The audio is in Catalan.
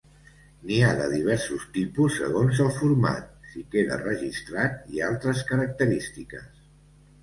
N'hi ha de diversos tipus segons el format, si queda registrat i altres característiques.